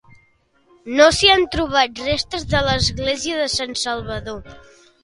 No s'hi han trobat restes de l'església de Sant Salvador.